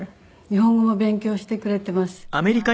日本語も勉強してくれています。